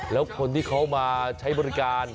แล้วคนที่เขามาใช้บริการ